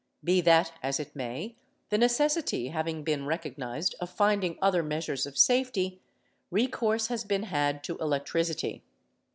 Be that as it may, — the necessity having been recognised of finding other measures of safety, — recourse has been had to electricity.